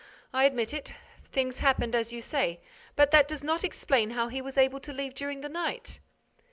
I admit it—things happened as you say—but that does not explain how he was able to leave during the night."